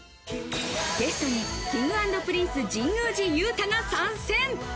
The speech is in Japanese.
ゲストにＫｉｎｇ＆Ｐｒｉｎｃｅ・神宮寺勇太が参戦。